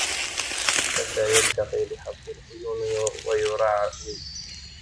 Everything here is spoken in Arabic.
فتى يتقي لحظ العيون ويرعوي